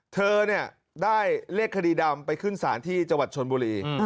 เธอได้เลขคดีดำไปขึ้นสารที่จวัดชนบุรี